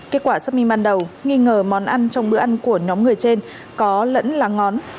kết quả xác minh ban đầu nghi ngờ món ăn trong bữa ăn của nhóm người trên có lẫn lá ngón